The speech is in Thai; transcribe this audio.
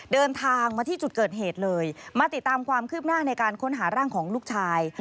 เดินทางมาที่จุดเกิดเหตุเลยมาติดตามความคืบหน้าในการค้นหาร่างของลูกชาย